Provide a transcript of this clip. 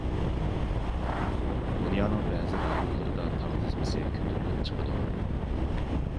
دۇنيانىڭ بەزى رايونلىرىدا تاغ تىزمىسى كۆتۈرۈلۈپ چىقىدۇ.